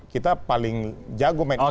kita paling jago main